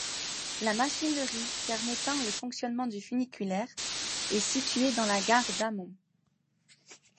La machinerie permettant le fonctionnement du funiculaire est située dans la gare d'amont.